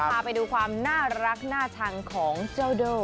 พาไปดูความน่ารักน่าชังของเจ้าโด่